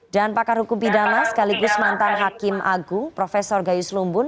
dan pakar hukum pidana sekaligus mantan hakim agung prof gayus lumbun